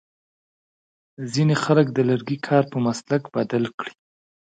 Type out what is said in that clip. ځینې خلک د لرګي کار په مسلک بدل کړی.